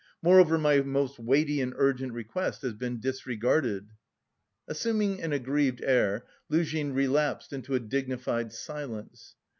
Moreover, my most weighty and urgent request has been disregarded...." Assuming an aggrieved air, Luzhin relapsed into dignified silence.